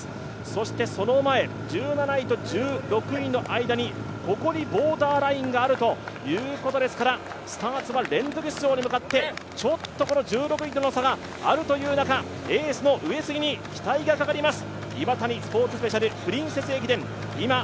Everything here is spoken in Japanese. そしてその前、１７位と１６位の間に、ここにボーダーラインがあるということですからスターツは連続出場に向かって、この１６位との差があるという中エースの上杉に期待がかかります。